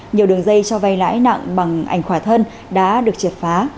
nhiều đường dây cho vay lãi nặng bằng ảnh khỏa thân đã được triệt phá